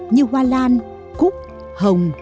như hoa lan cúc hồng